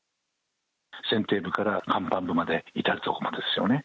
船底部から甲板部まで至るところまでですよね。